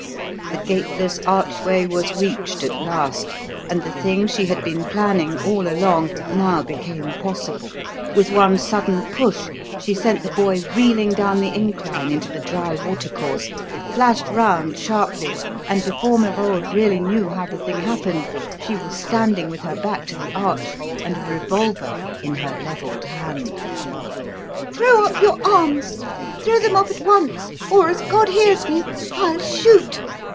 The gateless archway was reached at last; and the thing she had been planning all along now became possible. With one sudden push she sent the boy reeling down the incline into the dry water course, flashed round sharply, and before Merode really knew how the thing happened, she was standing with her back to the arch and a revolver in her levelled hand. "Throw up your arms throw them up at once, or, as God hears me, I'll shoot!"